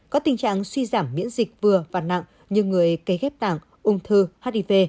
có tình trạng suy giảm miễn dịch vừa và nặng như người cấy ghép tảng ung thư hiv